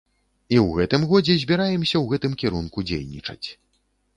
І ў гэтым годзе збіраемся ў гэтым кірунку дзейнічаць.